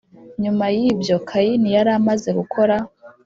Nyuma y ibyo Kayini yari amaze gukora